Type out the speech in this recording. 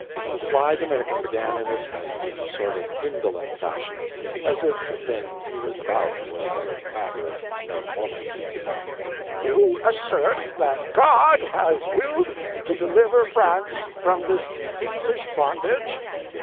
The sly Dominican began in this way—in a sort of indolent fashion, as if the thing he was about was a matter of no moment: "You assert that God has willed to deliver France from this English bondage?"